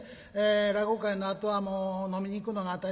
落語会のあとはもう飲みに行くのが当たり前。